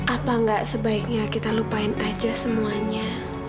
apa nggak sebaiknya kita lupain aja semuanya